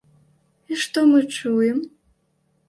І што мы чуем?